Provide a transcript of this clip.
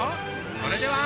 それでは。